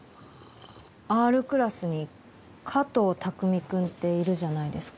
Ｒクラスに加藤匠君っているじゃないですか。